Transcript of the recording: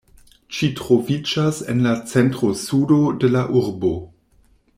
Ĝi troviĝas en la centro-sudo de la urbo.